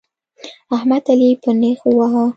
احمد؛ علي په نېښ وواهه.